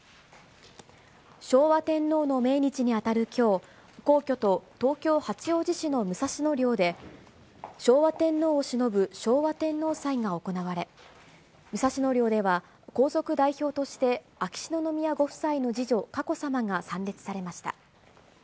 昭和天皇の命日に当たるきょう、皇居と東京・八王子市の武蔵野陵で、昭和天皇をしのぶ昭和天皇祭が行われ、武蔵野陵では、皇族代表として秋篠宮ご夫妻の次女、佳子さまが参列されました。